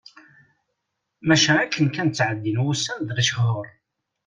Maca akken kan ttɛeddin wussan d lechur.